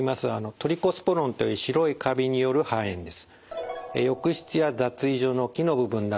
トリコスポロンという白いカビによる肺炎です。